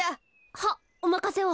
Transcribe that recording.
はっおまかせを。